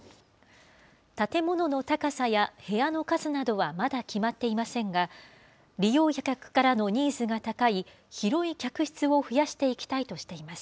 建物の高さや部屋の数などはまだ決まっていませんが、利用客からのニーズが高い広い客室を増やしていきたいとしています。